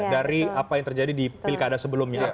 dari apa yang terjadi di pilkada sebelumnya